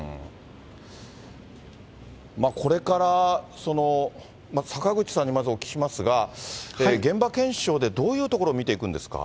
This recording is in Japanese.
これからその坂口さんにまずお聞きしますが、現場検証でどういうところを見ていくんですか。